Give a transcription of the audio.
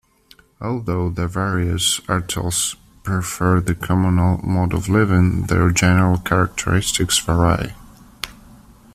Although the various Artels prefer the communal mode of living, their general characteristics vary.